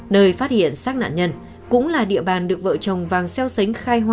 nơi phát hiện xác nạn nhân cũng là địa bàn được vợ chồng vàng xeo xánh khai họa